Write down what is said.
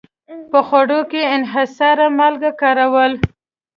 په خوړو کې انحصاري مالګه کارول.